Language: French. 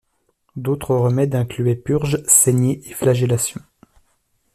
D'autres remèdes incluaient purges, saignées et flagellations.